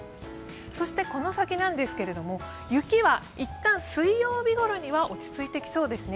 そしてこの先なんですけれども、雪は一旦、水曜日ごろには落ち着いてきそうですね。